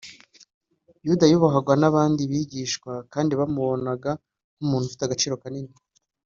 yuda yubahwaga n’abandi bigishwa kandi bamubonaga nk’umuntu ufite agaciro kanini